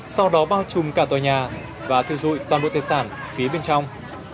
sau đó bao trùm cả tòa nhà và thiêu dụi toàn bộ tài sản phía bên trong